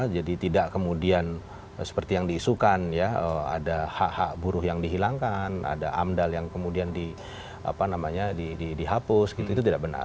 jadi tidak kemudian seperti yang diisukan ada hak hak buruh yang dihilangkan ada amdal yang kemudian dihapus itu tidak benar